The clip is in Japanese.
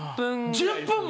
１０分も？